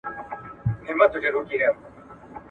چي ژړل به یې ویلې به یې ساندي.